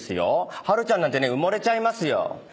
はるちゃんなんてね埋もれちゃいますよ。